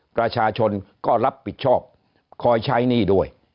ประชาชนก็รับผิดชอบคอยใช้หนี้ด้วย